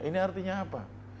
ini artinya apa